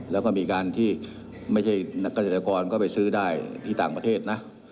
แล้วก็มีการที่ไม่ใช่นักเกษตรกรก็ไปซื้อได้ที่ต่างประเทศนะ